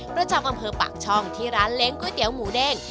ประจำอำเภอปากช่องที่ร้านเล้งก๋วยเตี๋ยวหมูเด้ง